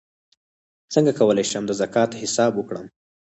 څنګه کولی شم د زکات حساب وکړم